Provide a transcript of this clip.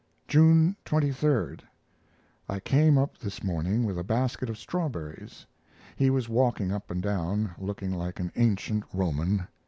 June 23. I came up this morning with a basket of strawberries. He was walking up and down, looking like an ancient Roman.